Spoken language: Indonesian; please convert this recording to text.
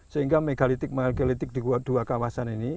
sehingga megalitik megalitik di dua kawasan ini